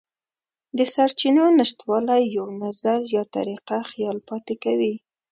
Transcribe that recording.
د سرچینو نشتوالی یو نظر یا طریقه خیال پاتې کوي.